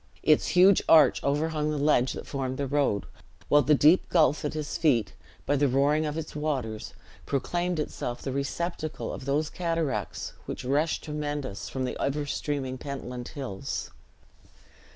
Its huge arch overhung the ledge that formed the road, while the deep gulf at his feet, by the roaring of its waters, proclaimed itself the receptacle of those cataracts which rush tremendous from the ever streaming Pentland hills.